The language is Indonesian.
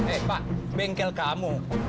eh pak bengkel kamu